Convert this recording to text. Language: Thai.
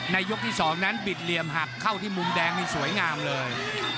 ยกที่๒นั้นบิดเหลี่ยมหักเข้าที่มุมแดงนี่สวยงามเลย